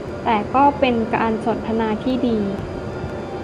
แต่ก็เป็นการสนทนาที่ดี